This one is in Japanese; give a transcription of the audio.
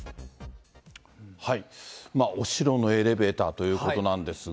お城のエレベーターということなんですが。